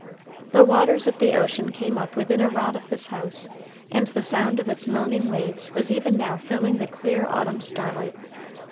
The waters of the ocean came up within a rod of this house, and the sound of its moaning waves was even now filling the clear autumn starlight.